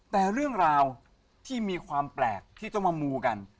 แต่เรื่องราวที่มีความแปลกที่ต้องมามูกัน